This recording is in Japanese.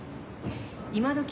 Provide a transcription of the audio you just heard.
今どき